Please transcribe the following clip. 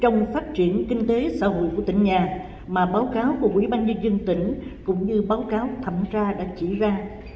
trong phát triển kinh tế xã hội của tỉnh nhà mà báo cáo của quỹ ban nhân dân tỉnh cũng như báo cáo thẩm tra đã chỉ ra